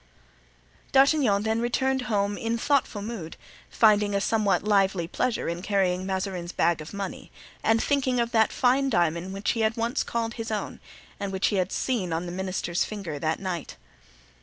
D'Artagnan then returned home in thoughtful mood, finding a somewhat lively pleasure in carrying Mazarin's bag of money and thinking of that fine diamond which he had once called his own and which he had seen on the minister's finger that night.